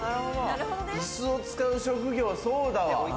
いすを使う職業、そうだわ。